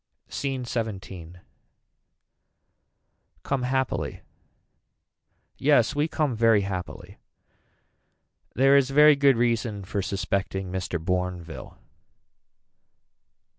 SCENE XVII. Come happily. Yes we come very happily. There is very good reason for suspecting Mr. Bournville.